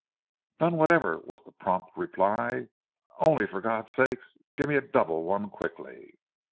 "None whatever," was the prompt reply, "only, for God's sake, give me a double one quickly!"